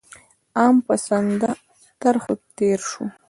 عام پسنده طرحو تېر شو.